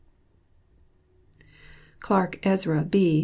CLARK EZRA B.